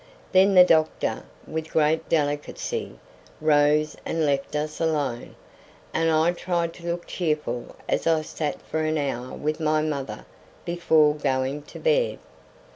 Then the doctor, with great delicacy, rose and left us alone, and I tried to look cheerful as I sat for an hour with my mother before going to bed.